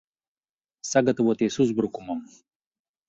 Sagatavoties uzbrukumam!